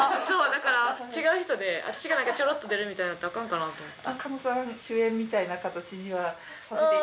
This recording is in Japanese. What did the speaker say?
だから違う人で私がなんかちょろっと出るみたいだったらアカンかなと思って。